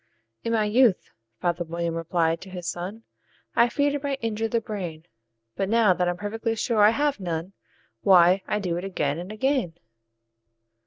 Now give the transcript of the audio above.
"In my youth," father William replied to his son, "I feared it might injure the brain; But, now that I'm perfectly sure I have none, Why, I do it again and again."